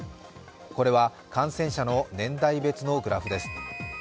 これは感染者の年代別のグラフです。